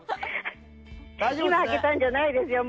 今、開けたんじゃないですよ。